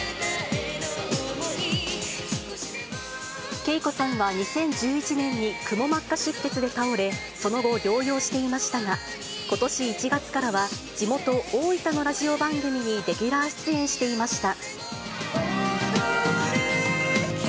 ＫＥＩＫＯさんは２０１１年にくも膜下出血で倒れ、その後、療養していましたが、ことし１月からは、地元、大分のラジオ番組にレギュラー出演していました。